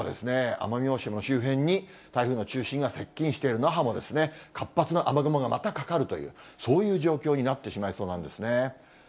奄美大島の周辺に、台風の中心が接近している那覇も、活発な雨雲がまたかかるという、そういう状況になってしまいそうなんですね。